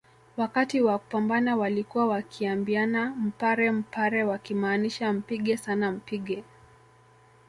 Wakati wa kupambana walikuwa wakiambiana mpare mpare wakimaanisha mpige sana mpige